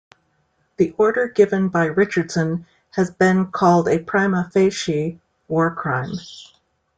The order given by Richardson has been called a "prima facie" war crime.